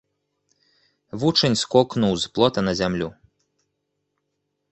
Вучань скокнуў з плота на зямлю.